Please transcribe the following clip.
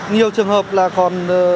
nhiều trường hợp là còn